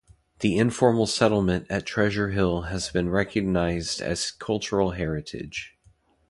The informal settlement at Treasure Hill has been recognized as cultural heritage.